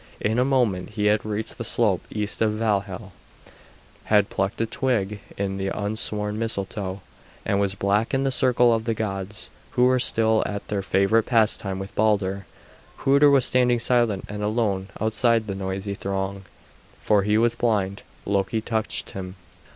In a moment he had reached the slope east of Valhal, had plucked a twig of the unsworn Mistletoe, and was back in the circle of the gods, who were still at their favourite pastime with Balder. Hoder was standing silent and alone outside the noisy throng, for he was blind. Loki touched him.